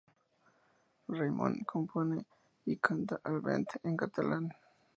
Raimon compone y canta "Al vent" en catalán.